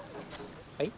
はい？